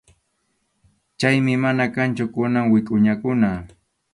Chaymi mana kanchu kunan wikʼuñakuna.